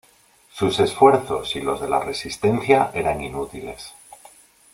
Sus esfuerzos y los de la resistencia eran inútiles.